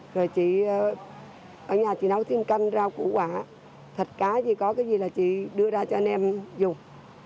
rồi chị ở nhà chị nấu thiên canh rau củ quả thịt cá gì có cái gì là chị đưa ra cho anh em dùng